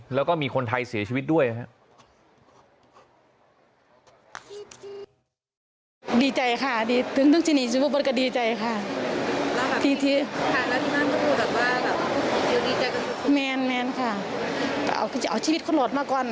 แล้วก็มีคนไทยเสียชีวิตด้วยครับ